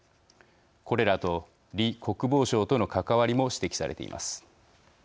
これらと李国防相との関わりも指摘されています。